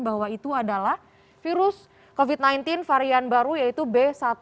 bahwa itu adalah virus covid sembilan belas varian baru yaitu b satu satu